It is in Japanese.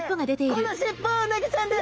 この尻尾はうなぎちゃんです！